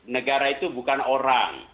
negara itu bukan orang